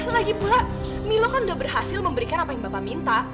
lagi pula milo kan sudah berhasil memberikan apa yang bapak minta